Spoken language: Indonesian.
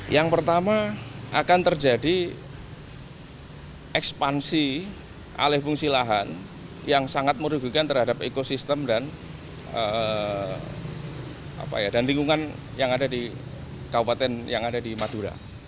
yang pertama akan terjadi ekspansi alih fungsi lahan yang sangat merugikan terhadap ekosistem dan lingkungan yang ada di kabupaten yang ada di madura